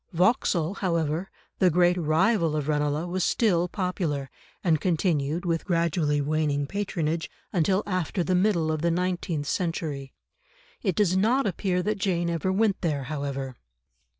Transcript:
Vauxhall, however, the great rival of Ranelagh, was still popular, and continued, with gradually waning patronage, until after the middle of the nineteenth century. It does not appear that Jane ever went there, however.